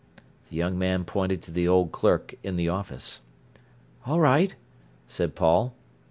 The young man pointed to the old clerk in the office. "All right," said Paul.